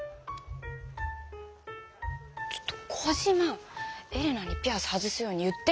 ちょっとコジマエレナにピアス外すように言って！